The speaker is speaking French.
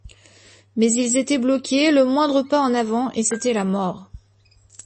Mais ils étaient bloqués, le moindre pas en avant et c'était la mort.